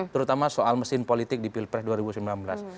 terutama soal mesin politik di pilpres dua ribu sembilan belas